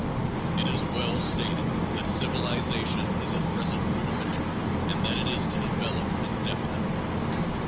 It is well stated, "that civilization is at present rudimentary, and that it is to develop indefinitely."